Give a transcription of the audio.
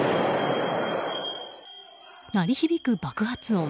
鳴り響く爆発音。